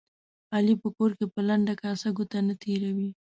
علي په کور کې په لنده کاسه ګوته نه تېروي.